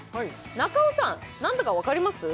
中尾さん何だかわかります？